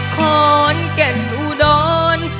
ขอนแก่งอุดอน